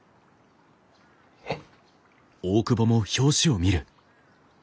えっ？